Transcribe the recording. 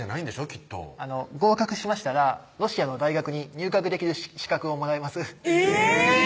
きっと合格しましたらロシアの大学に入学できる資格をもらえますえぇ！